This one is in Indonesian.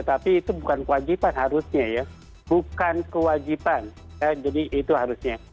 tapi itu bukan kewajiban harusnya ya bukan kewajiban ya jadi itu harusnya